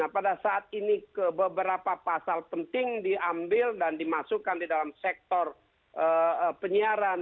nah pada saat ini beberapa pasal penting diambil dan dimasukkan di dalam sektor penyiaran